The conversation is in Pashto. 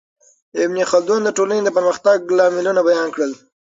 ابن خلدون د ټولنې د پرمختګ لاملونه بیان کړل.